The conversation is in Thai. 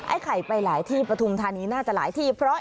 ไอ้ไข่ไปหลายที่ปฐุมธานีน่าจะหลายที่